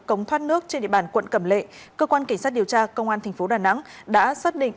cống thoát nước trên địa bàn quận cẩm lệ cơ quan cảnh sát điều tra công an thành phố đà nẵng đã xác định